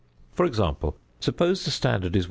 For example: suppose the standard is 1.